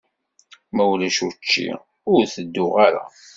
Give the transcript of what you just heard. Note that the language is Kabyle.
Ma ulac učči, ur tedduɣ ara.